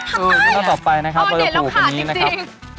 ตอนต่อไปนะครับเราจะผูกตรงนี้นะครับ